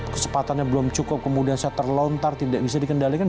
kesempatannya belum cukup kemudian saya terlontar tidak bisa dikendalikan